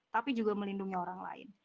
tapi juga melindungi orang lain